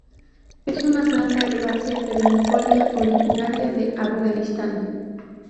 Es una planta herbácea perennifolia originaria de Afganistán.